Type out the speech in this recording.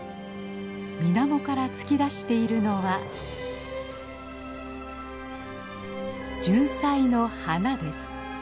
水面から突き出しているのはジュンサイの花です。